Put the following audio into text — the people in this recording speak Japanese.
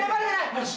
よし！